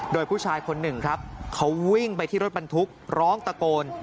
โดยผู้ชายคนหนึ่งครับเขาวิ่งไปที่รถบรรทุกร้องตะโกน